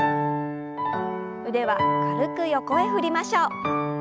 腕は軽く横へ振りましょう。